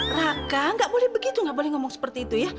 raka nggak boleh begitu nggak boleh ngomong seperti itu ya